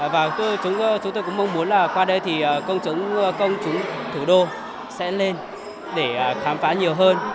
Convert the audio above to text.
và chúng tôi cũng mong muốn là qua đây thì công chúng thủ đô sẽ lên để khám phá nhiều hơn